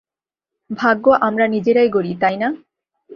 ভাগ্য আমরা নিজেরাই গড়ি, তাই না?